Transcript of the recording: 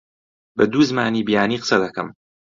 بە دوو زمانی بیانی قسە دەکەم.